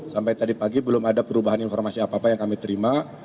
sampai tadi pagi belum ada perubahan informasi apa apa yang kami terima